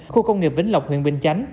khu công nghiệp vĩnh lộc huyện bình chánh